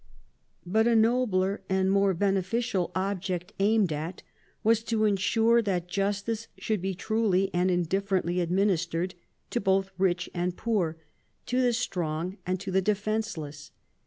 But a nobler and more beneficial object aimed at was to ensure that justice should be "trul}'^ and in differently administered " to both rich and poor, to the strons: and to the defenceless.